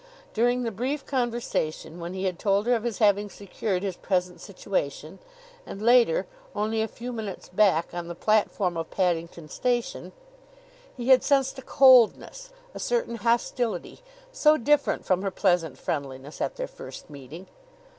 During the brief conversation when he had told her of his having secured his present situation, and later, only a few minutes back, on the platform of Paddington Station, he had sensed a coldness, a certain hostility so different from her pleasant friendliness at their first meeting.